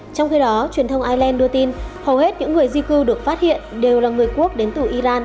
trong khi đó truyền thông ireland đưa tin hầu hết những người di cư được phát hiện đều là người quốc đến từ iran